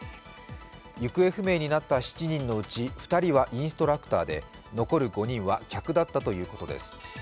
行方不明になった７人のうち２人はインストラクターで残る５人は客だったということです